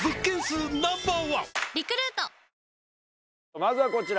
まずはこちら。